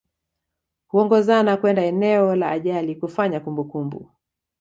Huongozana kwenda eneo la ajali kufanya kumbukumbu